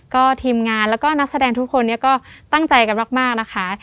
ก็ทีมงานแล้วก็นักแสดงทุกคนเนี่ยก็ตั้งใจกันมากนะคะ